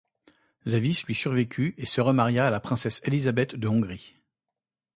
Záviš lui survécut et se remaria à la princesse Élisabeth de Hongrie.